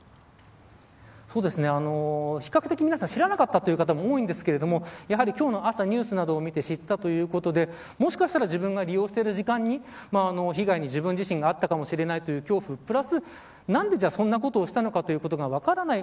比較的皆さん知らなかったという方も多いんですけどやはり、今日の朝ニュースなどを見て知ったということでもしかたら自分が利用している時間に被害に自分自身も遭ったかもしれないという恐怖プラス何でそんなことをしたのかが分からない。